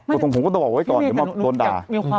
อ้าวผมก็ต้องบอกไว้ก่อนเดี๋ยวมันก็โดนด่า